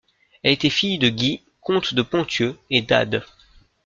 Elle était fille de Guy, comte de Ponthieu, et d'Ade.